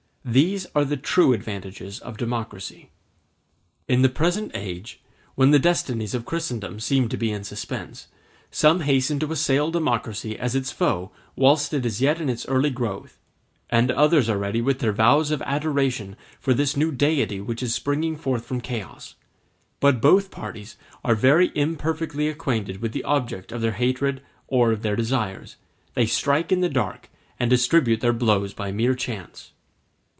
These are the true advantages of democracy. In the present age, when the destinies of Christendom seem to be in suspense, some hasten to assail democracy as its foe whilst it is yet in its early growth; and others are ready with their vows of adoration for this new deity which is springing forth from chaos: but both parties are very imperfectly acquainted with the object of their hatred or of their desires; they strike in the dark, and distribute their blows by mere chance.